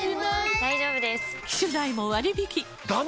大丈夫です！